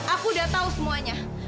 aku udah tahu semuanya